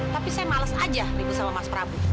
tapi saya males aja ribu salam mas prabu